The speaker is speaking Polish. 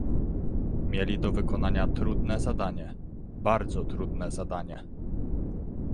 Mieli do wykonania trudne zadanie, bardzo trudne zadanie